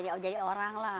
iya biar jadi orang lah